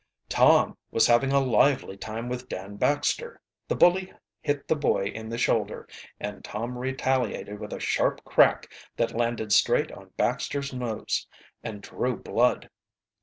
Tom was having a lively time with Dan Baxter. The bully hit the boy in the shoulder, and Tom retaliated with a sharp crack that landed straight on Baxter's nose and drew blood.